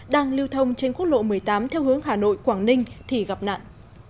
đang lưu thông trên quốc lộ một mươi tám theo hướng hà nội quảng ninh thì gặp nạn